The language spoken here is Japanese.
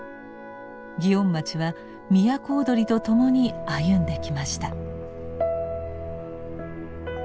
祇園町は都をどりと共に歩んできました。